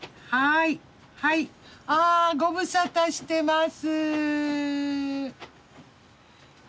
ああご無沙汰してます。